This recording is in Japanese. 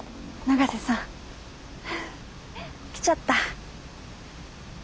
永瀬さん来ちゃった。